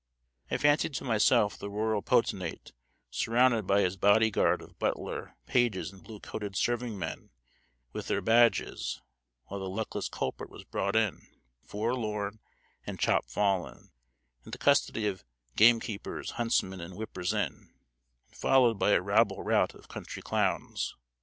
I fancied to myself the rural potentate surrounded by his body guard of butler, pages, and blue coated serving men with their badges, while the luckless culprit was brought in, forlorn and chopfallen, in the custody of gamekeepers, huntsmen, and whippers in, and followed by a rabble rout of country clowns.